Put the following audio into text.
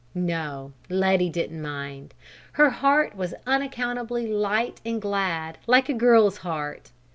No, Letty didn't mind. Her heart was unaccountably light and glad, like a girl's heart.